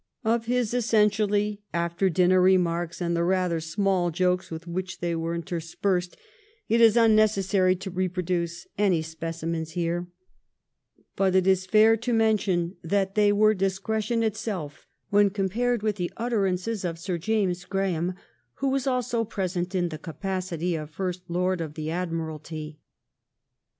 Of his essentially after dinner remarks, and the rather small jokes with which they were interspersed, it is unnecessary to reproduce any specimens here ; but it is fair to mention that they were ' discretion itself when compared with the utterances of Sir James Graham, who was also present in the capacity of First Lord of the Admiralty.